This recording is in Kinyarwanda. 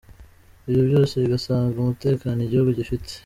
Ibyo byose bigasanga umutekano igihugu gifite.